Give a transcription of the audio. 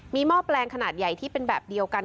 มีหม้อแปลงขนาดใหญ่ที่เป็นแบบเดียวกัน